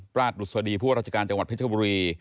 ประทรุศวรีผู้ราชการจังหวัดเผชบุรี